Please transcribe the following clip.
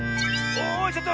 おいちょっと！